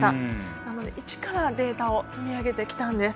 なので、一からデータを積み上げてきたんです。